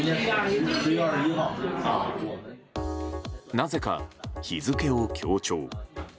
なぜか日付を強調。